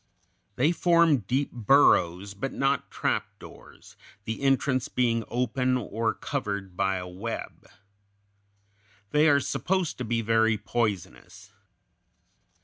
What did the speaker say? They form deep burrows, but not trapdoors, the entrance being open or covered by a web. They are supposed to be very poisonous.